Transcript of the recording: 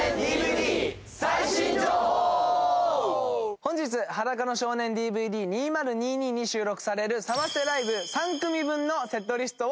本日『裸の少年ＤＶＤ２０２２』に収録されるサマステライブ３組分のセットリストを公開します！